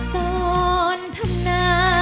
ต้นทะนะ